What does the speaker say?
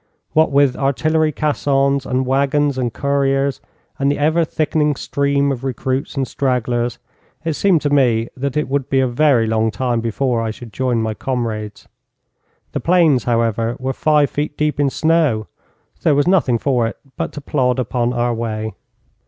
What with artillery caissons and waggons and couriers, and the ever thickening stream of recruits and stragglers, it seemed to me that it would be a very long time before I should join my comrades. The plains, however, were five feet deep in snow, so there was nothing for it but to plod upon our way.